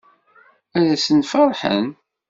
Ad asen-ferḥen.